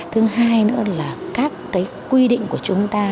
thứ hai nữa là các cái quy định của chúng ta